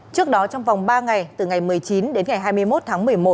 trước đó trong vòng ba ngày từ ngày một mươi chín đến ngày hai mươi một tháng một mươi một